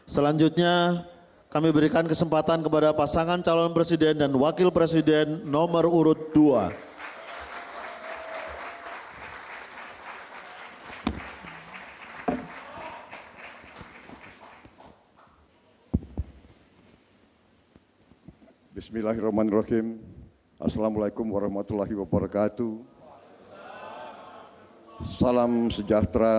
selanjutnya kami berikan kesempatan kepada pasangan calon presiden dan wakil presiden nomor urut dua